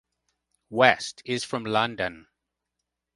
West is from London.